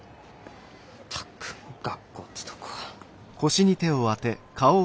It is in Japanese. ったく学校ってとこは。